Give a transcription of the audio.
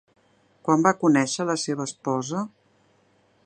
Quan va conèixer la seva esposa?